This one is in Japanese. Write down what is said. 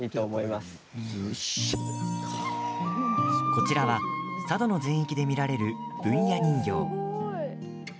こちらは、佐渡の全域で見られる文弥人形。